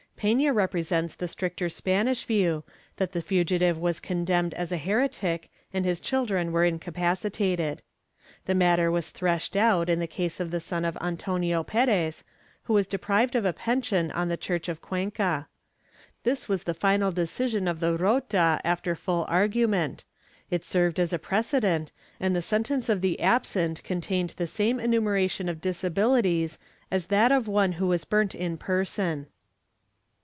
Pena represents the stricter Spanish view, that the fugitive was condemned as a heretic and his children were incapacitated. The matter was threshed out in the case of the son of Antonio Perez, who was deprived of a pension on the church of Cuenca. This was the final decision of the Rota after full argument; it served as a pre cedent, and the sentence of the absent contained the same enumera tion of disabilities as that of one who was burnt in person.